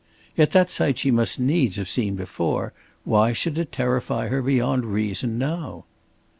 Yet that sight she must needs have seen before. Why should it terrify her beyond reason now?